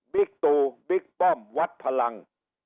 ตูบิ๊กป้อมวัดพลัง